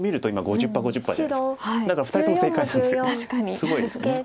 すごいですよね。